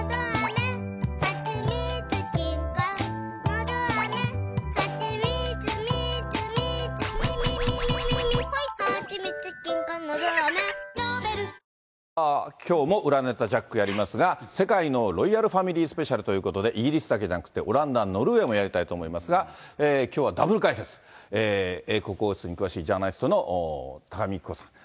オールインワンきょうも裏ネタジャックやりますが、世界のロイヤルファミリースペシャルということで、イギリスだけじゃなくて、オランダ、ノルウェーもやりたいと思いますが、きょうはダブル解説、英国王室に詳しいジャーナリストの多賀幹子さん。